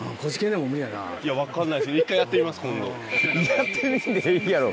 やってみんでええやろ。